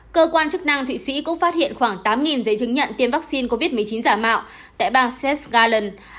cơ quan chức năng thụy sĩ cũng phát hiện khoảng tám giấy chứng nhận tiêm vaccine covid một mươi chín giả mạo tại bang set galand